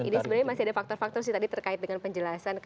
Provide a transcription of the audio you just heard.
ini sebenarnya masih ada faktor faktor sih tadi terkait dengan penjelasan